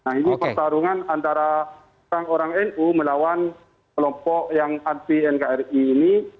nah ini pertarungan antara orang nu melawan kelompok yang anti nkri ini